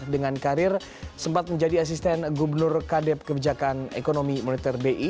dengan karir sempat menjadi asisten gubernur kadeb kebijakan ekonomi moneter bi